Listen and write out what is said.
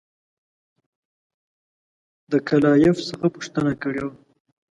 ده له کلایف څخه پوښتنه کړې وه.